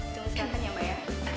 jangan sakit ya mbak ya